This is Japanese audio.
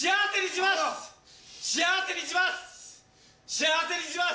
幸せにします！